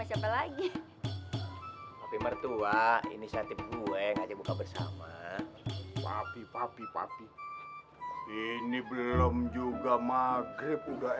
siapa lagi tapi mertua inisiatif gue ngajak buka bersama papi papi papi ini belum juga maghrib udah